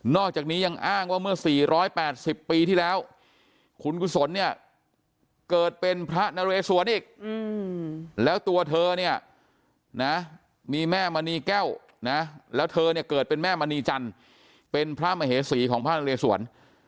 จากนี้ยังอ้างว่าเมื่อ๔๘๐ปีที่แล้วคุณกุศลเนี่ยเกิดเป็นพระนเรสวนอีกแล้วตัวเธอเนี่ยนะมีแม่มณีแก้วนะแล้วเธอเนี่ยเกิดเป็นแม่มณีจันทร์เป็นพระมเหสีของพระนเรสวน